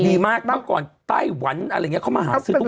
ดีมากเมื่อก่อนใต้หวันเข้ามาหาซื้อตุ๊กแก่